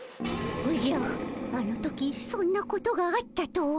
おじゃっあの時そんなことがあったとは。